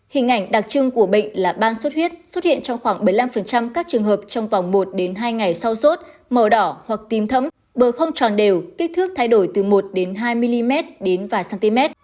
hình ảnh đặc trưng của bệnh là ban xuất huyết xuất hiện trong khoảng bảy mươi năm các trường hợp trong vòng một hai ngày sau sốt màu đỏ hoặc tim thấm bờ không tròn đều kích thước thay đổi từ một hai mm đến vài cm